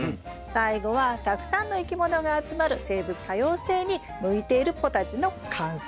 最後はたくさんの生き物が集まる生物多様性に向いているポタジェの完成。